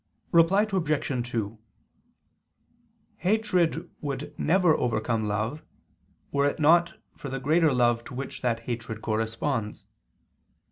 Reply Obj. 2: Hatred would never overcome love, were it not for the greater love to which that hatred corresponds.